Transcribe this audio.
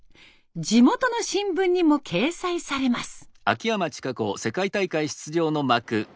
地元の新聞にも掲載されます。